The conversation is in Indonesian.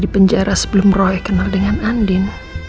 di penjara sebelum roy kenal dengan andin